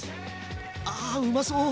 あうまそう。